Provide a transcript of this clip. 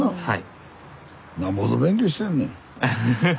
はい。